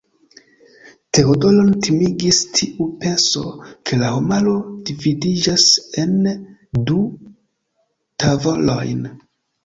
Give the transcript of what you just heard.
Teodoron timigis tiu penso, ke la homaro dividiĝas en du tavolojn.